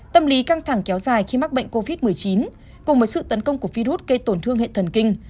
tâm lý căng thẳng kéo dài khi mắc bệnh covid một mươi chín cùng với sự tấn công của virus gây tổn thương hệ thần kinh